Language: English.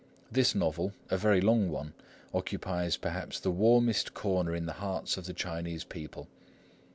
This novel, a very long one, occupies perhaps the warmest corner in the hearts of the Chinese people.